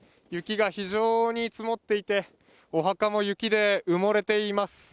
雪が非常に積もっていて、お墓も雪で埋もれています。